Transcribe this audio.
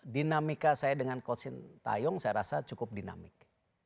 dinamika saya dengan coach sintayong saya rasa cukup dinamik